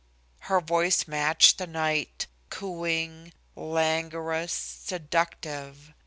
Her voice matched the night, cooing, languorous, seductive.